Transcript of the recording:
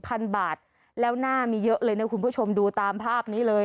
พันบาทแล้วหน้ามีเยอะเลยนะคุณผู้ชมดูตามภาพนี้เลย